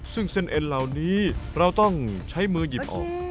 ซึ่งเส้นเอ็นเหล่านี้เราต้องใช้มือหยิบออก